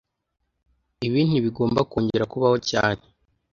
Ibi ntibigomba kongera kubaho cyane